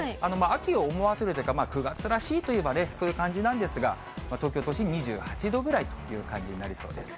秋を思わせるというか、９月らしいといえばね、そういう感じなんですが、東京都心２８度ぐらいという感じになりそうです。